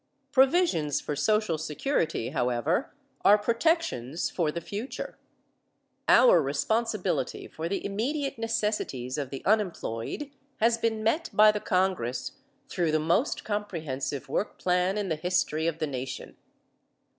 Provisions for social security, however, are protections for the future. Our responsibility for the immediate necessities of the unemployed has been met by the Congress through the most comprehensive work plan in the history of the nation.